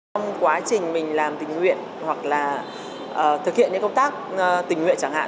trong quá trình mình làm tình nguyện hoặc là thực hiện những công tác tình nguyện chẳng hạn